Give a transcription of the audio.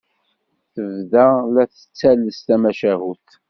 Tebda la d-tettales tamacahut.